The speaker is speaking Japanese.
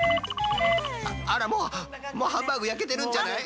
あらもうもうハンバーグ焼けてるんじゃない？